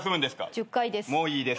１０回です。